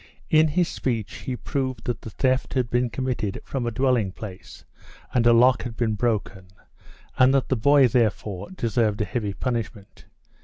In his speech he proved that the theft had been committed from a dwelling place, and a lock had been broken; and that the boy, therefore, deserved a heavy punishment.